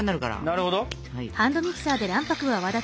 なるほど。